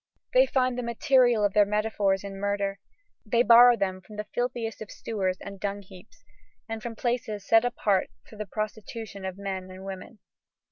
They find the material of their metaphors in murder, they borrow them from the filthiest of sewers and dungheaps, and from places set apart for the prostitution of men and women.